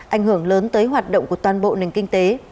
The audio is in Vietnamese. ảnh hưởng lớn tới hoạt động của toàn bộ nền kinh tế